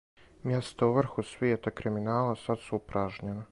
Мјеста у врху свијета криминала сад су упражњена.